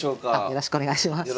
よろしくお願いします。